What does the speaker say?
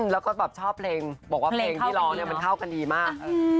แล้วก็แบบชอบเพลงเพลงเข้ากันดิมาก